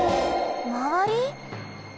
まわり？